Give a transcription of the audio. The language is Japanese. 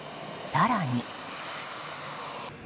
更に。